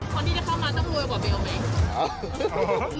คนที่จะเข้ามาต้องรวยกว่าเบลไหม